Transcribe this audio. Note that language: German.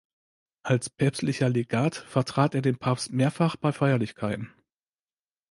Als päpstlicher Legat vertrat er den Papst mehrfach bei Feierlichkeiten.